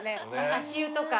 足湯とか。